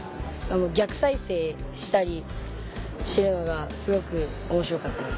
逆再生したりしてるのがすごく面白かったです。